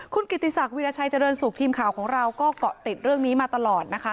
คุณกิติศักดิราชัยเจริญสุขทีมข่าวของเราก็เกาะติดเรื่องนี้มาตลอดนะคะ